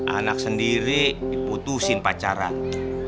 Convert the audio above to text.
anak sendiri diputusin pacaran